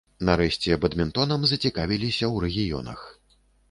Нарэшце, бадмінтонам зацікавіліся ў рэгіёнах.